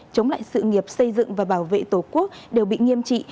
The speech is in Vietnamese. chống lại sự nghiệp xây dựng và bảo vệ tổ quốc đều bị nghiêm trị